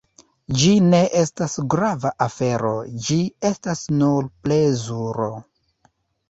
Ĝi ne estas grava afero, ĝi estas nur plezuro.